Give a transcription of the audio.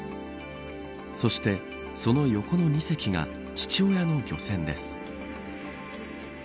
そして、その横の２隻が父親の漁船です。